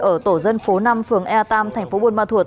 ở tổ dân phố năm phường e tam thành phố buôn ma thuột